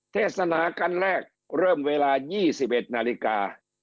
เทศนากันแรกเริ่มเวลา๒๑นาฬิกา